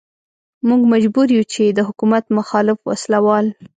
موږ مجبور يو چې د حکومت مخالف وسله وال.